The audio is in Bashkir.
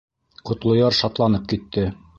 Ҡотлояр шатланып китте.